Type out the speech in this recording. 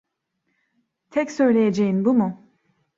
Tek söyleyeceğin bu mu?